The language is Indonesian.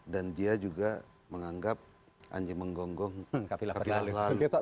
dan dia juga menganggap anjing menggonggong kapilak lalu